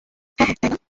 হ্যাঁ, হ্যাঁ, তাই না?